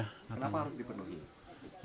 kenapa harus dipenuhi